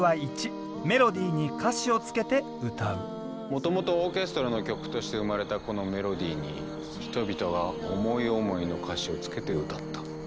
もともとオーケストラの曲として生まれたこのメロディーに人々が思い思いの歌詞をつけて歌った。